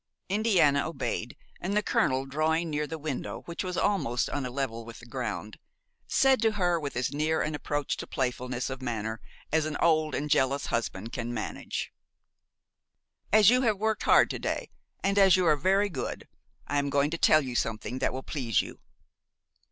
Indiana obeyed, and the colonel, drawing near the window, which was almost on a level with the ground, said to her with as near an approach to playfulness of manner as an old and jealous husband can manage: "As you have worked hard to day and as you are very good, I am going to tell you something that will please you."